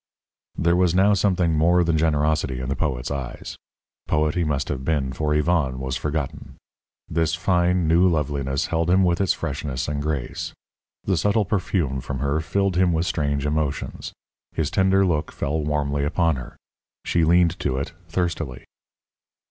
There was now something more than generosity in the poet's eyes. Poet he must have been, for Yvonne was forgotten; this fine, new loveliness held him with its freshness and grace. The subtle perfume from her filled him with strange emotions. His tender look fell warmly upon her. She leaned to it, thirstily.